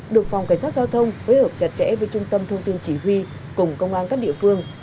được phòng cảnh sát giao thông phối hợp chặt chẽ với trung tâm thông tin chỉ huy cùng công an các địa phương